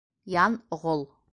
— Янғол.